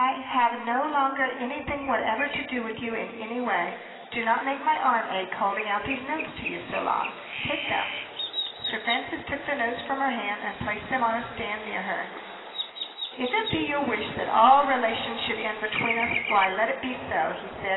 "I have no longer anything whatever to do with you in any way. Do not make my arm ache, holding out these notes to you so long! Take them!" Sir Francis took the notes from her hand and placed them on a stand near to her. "If it be your wish that all relations should end between us, why, let it be so," he said.